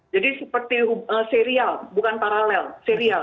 jadi seperti serial bukan paralel serial